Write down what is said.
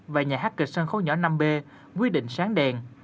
và nhà hát kịch sân khấu nhỏ năm b quy định sáng đèn